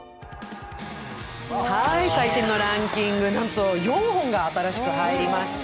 最新のランキング、なんと４本が新しく入りました。